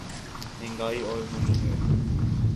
مہنگائی اور ہونی ہے۔